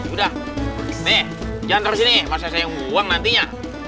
udah nih jangan terus ini masa saya uang nantinya